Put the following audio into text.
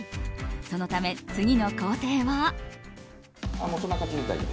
そのため、次の工程は。